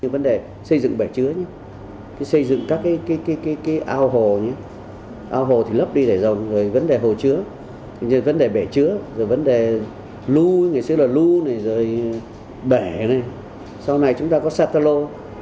vấn đề xây dựng bẻ chứa xây dựng các cái ao hồ ao hồ thì lấp đi để dòng rồi vấn đề hồ chứa vấn đề bẻ chứa vấn đề lưu ngày xưa là lưu rồi bẻ sau này chúng ta có sát tà lô